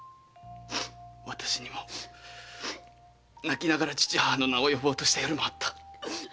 私にも泣きながら父母の名を呼ぼうとした夜もあった。